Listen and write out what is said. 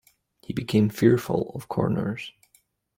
He became fearful of corners.